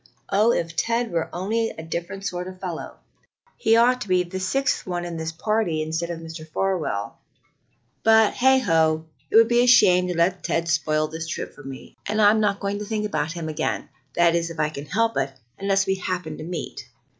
Oh, if Ted were only a different sort of fellow! He ought to be the sixth one in this party instead of Mr. Farwell. But, heigho! it would be a shame to let Ted spoil this trip for me, and I'm not going to think of him again that is, if I can help it unless we happen to meet."